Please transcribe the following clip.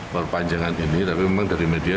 perpanjangan ini tapi memang dari media